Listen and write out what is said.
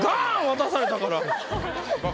渡されたから。